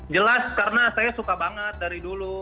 jelas karena saya suka banget dari dulu